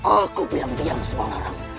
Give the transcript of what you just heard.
aku bilang diam semua orang